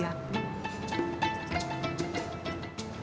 jangan datang ke pasangan